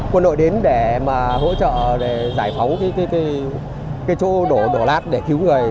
quân đội đến để mà hỗ trợ để giải phóng cái chỗ đổ đổ lát để cứu người